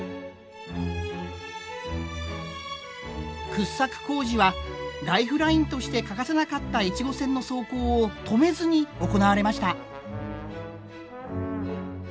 掘削工事はライフラインとして欠かせなかった越後線の走行を止めずに行われました。